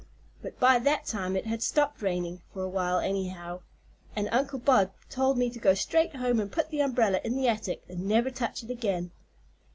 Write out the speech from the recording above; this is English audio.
But by that time it had stopped raining, for awhile, anyhow, and Uncle Bob told me to go straight home and put the umbrella in the attic an' never touch it again.